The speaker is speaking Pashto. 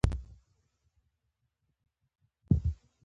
پیسې په خپل سر اضافي ارزښت له ځان سره نه راوړي